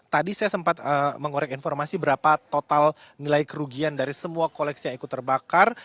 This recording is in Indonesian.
tadi saya sempat mengorek informasi berapa total nilai kerugian dari semua koleksi yang ikut terbakar